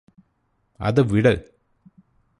അത് വിട്